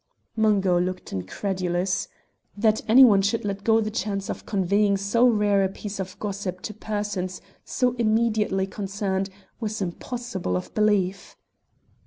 Mungo looked incredulous. That any one should let go the chance of conveying so rare a piece of gossip to persons so immediately concerned was impossible of belief.